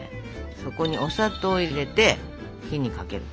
そこにお砂糖を入れて火にかける。